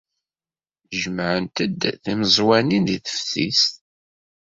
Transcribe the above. Jemɛent-d timeẓwanin deg teftist.